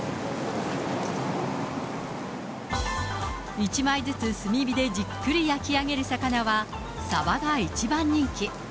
１枚ずつ炭火でじっくり焼き上げる魚は、サバが一番人気。